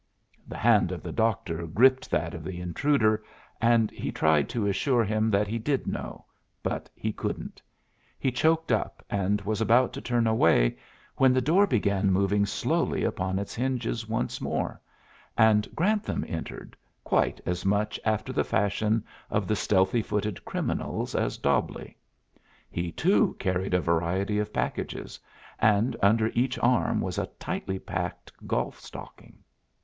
The hand of the doctor gripped that of the intruder, and he tried to assure him that he did know, but he couldn't. He choked up, and was about to turn away when the door began moving slowly upon its hinges once more, and Grantham entered, quite as much after the fashion of the stealthy footed criminal as Dobbleigh. He, too, carried a variety of packages, and under each arm was a tightly packed golf stocking.